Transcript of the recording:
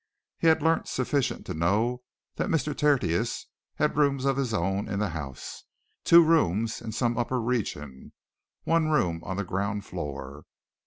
He had learnt sufficient to know that Mr. Tertius had rooms of his own in the house; two rooms in some upper region; one room on the ground floor.